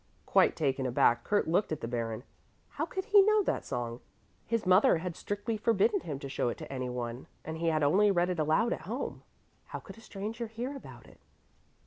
Quite taken aback, Kurt looked at the Baron. How could he know that song? His mother had strictly forbidden him to show it to anyone, and he had only read it aloud at home. How could a stranger hear about it?